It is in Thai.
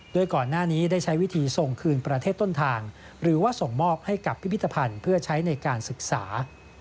โดยก่อนหน้านี้ได้ใช้วิธีส่งคืนประเทศต้นทางหรือว่าส่งมอบให้กับพิพิธภัณฑ์เพื่อใช้ในการศึกษา